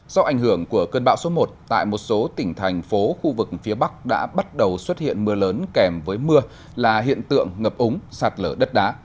do ảnh hưởng của cơn bão số một tại một số tỉnh thành phố khu vực phía bắc đã bắt đầu xuất hiện mưa lớn kèm với mưa là hiện tượng ngập úng sạt lở đất đá